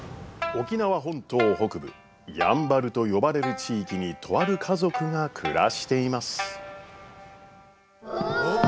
沖縄本島北部やんばると呼ばれる地域にとある家族が暮らしています。